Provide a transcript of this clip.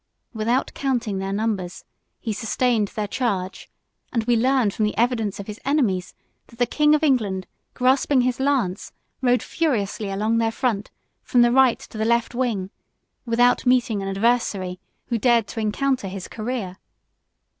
Without counting their numbers, he sustained their charge; and we learn from the evidence of his enemies, that the king of England, grasping his lance, rode furiously along their front, from the right to the left wing, without meeting an adversary who dared to encounter his career.